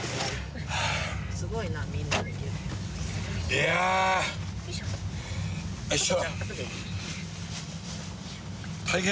いや。おいしょ。